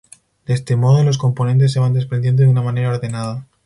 De este modo, los componentes se van desprendiendo de una manera ordenada.